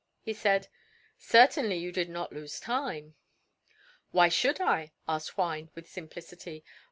He said, "Certainly you did not lose time." "Why should I?" asked Juan with simplicity.